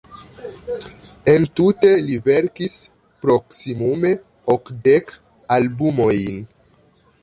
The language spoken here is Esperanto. Entute li verkis proksimume okdek albumojn.